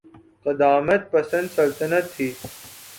قدامت پسند سلطنت تھی۔